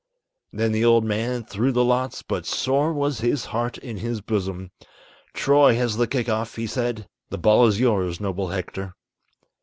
Then the old man threw the lots, but sore was his heart in his bosom. "Troy has the kick off," he said, "the ball is yours, noble Hector."